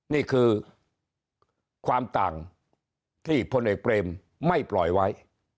นี่คือความต่างที่พลเอกเปรมไม่ปล่อยไว้